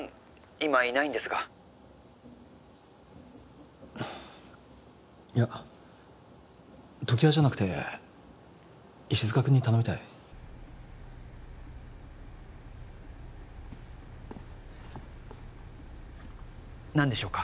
今いないんですがいや常盤じゃなくて石塚君に頼みたい何でしょうか？